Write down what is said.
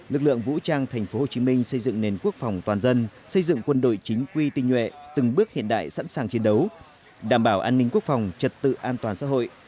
lực lượng vũ trang thành phố hồ chí minh xây dựng nền quốc phòng toàn dân xây dựng quân đội chính quy tinh nhuệ từng bước hiện đại sẵn sàng chiến đấu đảm bảo an ninh quốc phòng trật tự an toàn xã hội